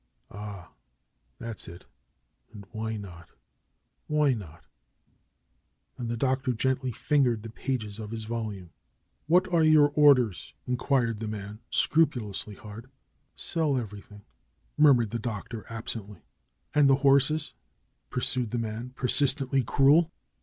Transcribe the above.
"Ah! That's it ! And why not? Why not?" And the Doctor gently fingered the pages of his volume. DR. SCHOLAR CRUTCH 155 "What are your orders?" inquired the man, scrupu lously hard. "Sell ever3rthing," murmured the Doctor absently. "And the horses?" pursued the man, persistently cruel.